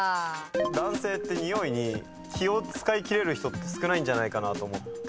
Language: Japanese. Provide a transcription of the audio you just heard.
男性ってにおいに気を使い切れる人って少ないんじゃないかなと思って。